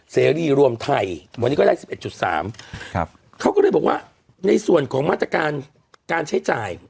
เสรีรวมไทยวันนี้ก็ได้๑๑๓เขาก็เลยบอกว่าในส่วนของมาตรการการใช้จ่าย